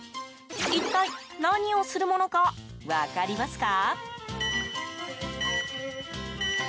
一体、何をするものか分かりますか？